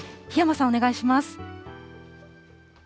檜山さん、お願いします。